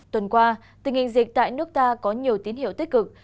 tuần qua tình hình dịch tại nước ta có nhiều tín hiệu tích cực